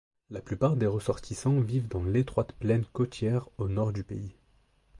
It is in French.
La plupart des ressortissants vivent dans l'étroite plaine côtière au nord du pays.